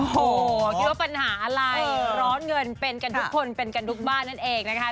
โอ้โหคิดว่าปัญหาอะไรร้อนเงินเป็นกันทุกคนเป็นกันทุกบ้านนั่นเองนะคะ